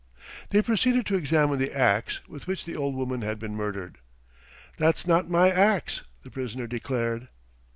They proceeded to examine the axe with which the old woman had been murdered. "That's not my axe," the prisoner declared.